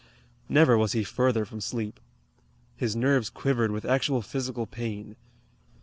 Never was he further from sleep. His nerves quivered with actual physical pain.